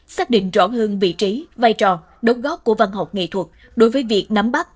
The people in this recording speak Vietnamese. xác định rõ hơn vị trí vai trò đồng góp của văn học nghệ thuật đối với việc nắm bắt